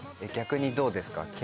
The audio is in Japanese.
逆にどうですか？